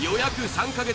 ３か月